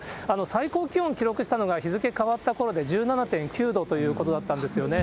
最高気温、記録したのが日付変わったころで、１７．９度ということだったんですよね。